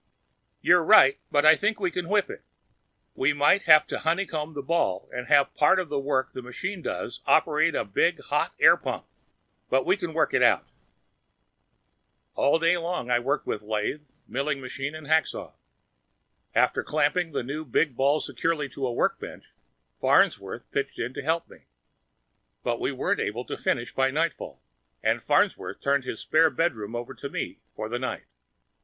"You're right, but I think we can whip it. We may have to honeycomb the ball and have part of the work the machine does operate a big hot air pump; but we can work it out." All that day, I worked with lathe, milling machine and hacksaw. After clamping the new big ball securely to a workbench, Farnsworth pitched in to help me. But we weren't able to finish by nightfall and Farnsworth turned his spare bedroom over to me for the night.